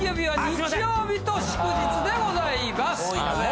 日曜日と祝日でございます。